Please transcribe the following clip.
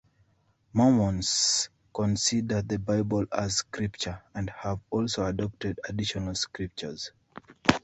Mormons consider the Bible as scripture and have also adopted additional scriptures.